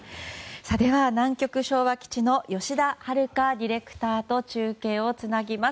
では南極昭和基地の吉田遥ディレクターと中継をつなぎます。